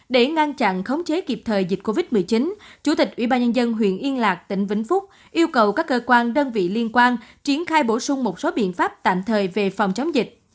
để ngăn chặn khống chế kịp thời dịch covid một mươi chín chủ tịch ubnd huyện yên lạc tỉnh vĩnh phúc yêu cầu các cơ quan đơn vị liên quan triển khai bổ sung một số biện pháp tạm thời về phòng chống dịch